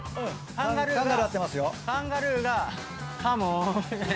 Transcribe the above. カンガルーがお産。